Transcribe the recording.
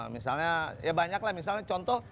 misalnya ya banyak lah misalnya contoh